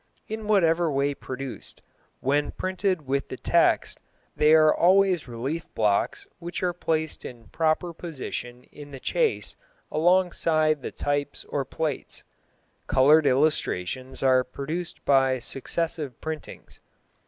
In whatever way produced, when printed with the text they are always relief blocks which are placed in proper position in the chase alongside the types or plates. Coloured illustrations are produced by successive printings.